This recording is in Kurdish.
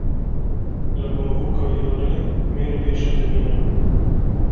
Li bavoka yarê mêr bê jin dimînin.